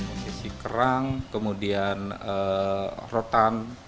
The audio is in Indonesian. posisi kerang kemudian rotan